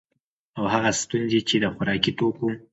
او هغه ستونزي چي د خوراکي توکو